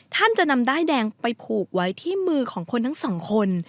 ท่านจะนำด้ายแดงไปผูกไว้ที่มือของคนทั้งสองคน